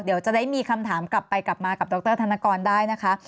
เดี๋ยวจะได้มีคำถามกลับไปกลับมากับดรธนกรได้นะคะ